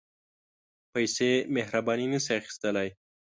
پېسې مهرباني نه شي اخیستلای.